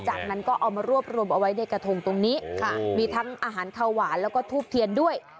จากนั้นก็เอามารวบรวมเอาไว้ในกระทงตรงนี้มีทั้งอาหารข้าวหวานแล้วก็ทูบเทียนด้วย